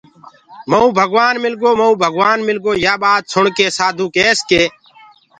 مئونٚ ڀگوآن مِلگو مئونٚ ڀگوآن مِلگو يآ ٻآت سُڻڪي سآڌوٚ ڪيس ڪي